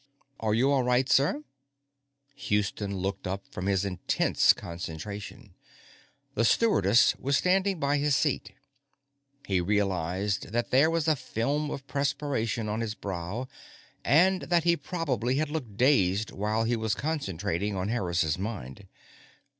"Are you all right, sir?" Houston looked up from his intense concentration. The stewardess was standing by his seat. He realized that there was a film of perspiration on his brow, and that he probably had looked dazed while he was concentrating on Harris's mind.